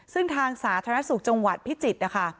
ซึ่งทางสาธารณสุขจังหวัดพิจิตรนะคะ